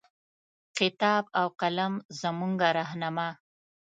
کتاب او قلم زمونږه رهنما